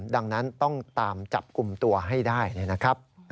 ดังนั้นต้องตามจับกลุ่มตัวให้ได้นะครับ